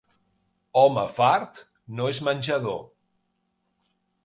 Home fart no és menjador.